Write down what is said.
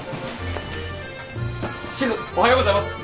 シェフおはようございます。